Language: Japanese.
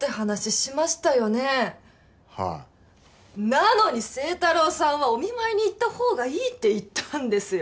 なのに星太郎さんはお見舞いに行ったほうがいいって言ったんですよ。